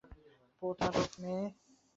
প্রতারক মেয়ে!